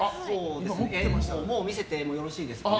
見せてもよろしいですかね。